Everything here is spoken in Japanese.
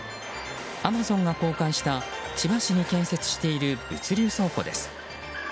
アマゾンが公開した千葉市に建設している物流倉庫です。